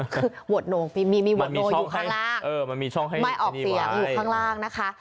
คือโหดโน่งมีมีโหดโน่งอยู่ข้างล่างเออมันมีช่องให้ไม่ออกเสียอยู่ข้างล่างนะคะ